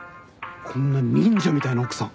こんな忍者みたいな奥さん。